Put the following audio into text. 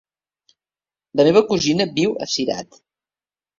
La meva cosina viu a Cirat.